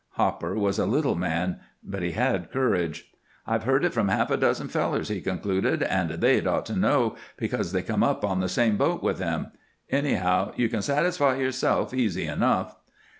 Hopper was a little man, but he had courage. "I've heard it from half a dozen fellers," he concluded, "and they'd ought to know, because they come up on the same boat with them. Anyhow, you can satisfy yourself easy enough."